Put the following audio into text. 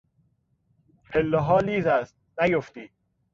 پلهها لیز است نیافتی!